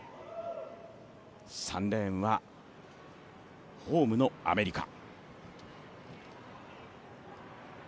３レーンはホームのアメリカ。